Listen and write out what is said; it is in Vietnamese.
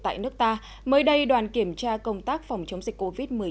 tại nước ta mới đây đoàn kiểm tra công tác phòng chống dịch covid một mươi chín